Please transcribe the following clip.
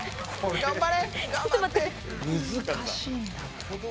頑張れ！